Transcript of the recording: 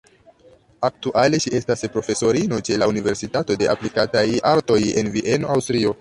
Aktuale ŝi estas profesorino ĉe la Universitato de aplikataj artoj en Vieno, Aŭstrio.